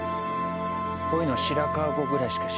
こういうのは白川郷ぐらいしか知らない。